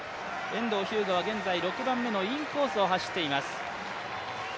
遠藤日向は現在６番目のインコースを走っています。